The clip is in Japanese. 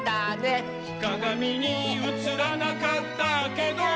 「かがみにうつらなかったけど」